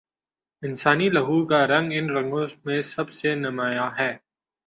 انسانی لہو کا رنگ ان رنگوں میں سب سے نمایاں ہے۔